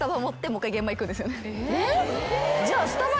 えっ！？